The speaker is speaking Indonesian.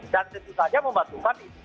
dan tentu saja membantukan itu